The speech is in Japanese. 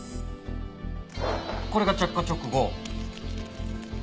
これが着火直後。